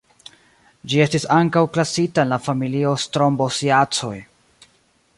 Ĝi estis ankaŭ klasita en la familio Strombosiacoj.